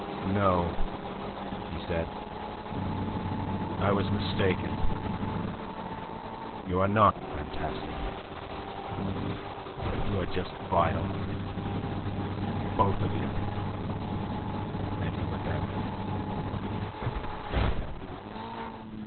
"No," he said, "I was mistaken. You are not fantastic. You are just vile both of you." And he went out.